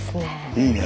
いいね